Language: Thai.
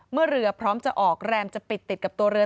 เมื่อเรือพร้อมจะออกแรมจะปิดติดกับตัวเรือ